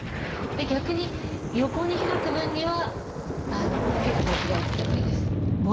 逆に横に開く分には結構開いててもいいです。